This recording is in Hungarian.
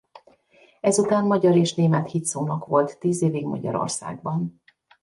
Ezután magyar és német hitszónok volt tíz évig Magyarországban.